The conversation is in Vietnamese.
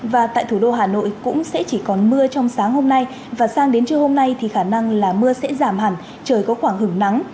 và tại thủ đô hà nội cũng sẽ chỉ còn mưa trong sáng hôm nay và sang đến trưa hôm nay thì khả năng là mưa sẽ giảm hẳn trời có khoảng hứng nắng